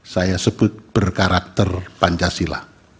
saya sebut berkarakter pancasila